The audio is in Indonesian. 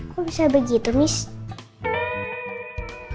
kok bisa begitu miss